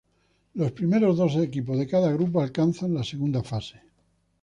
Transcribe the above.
Los primeros dos equipos de cada grupo alcanzan la segunda fase.